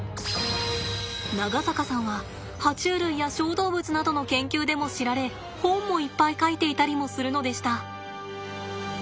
長坂さんはは虫類や小動物などの研究でも知られ本もいっぱい書いていたりもするのでした！